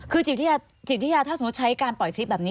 คือจิตวิทยาถ้าสมมุติใช้การปล่อยคลิปแบบนี้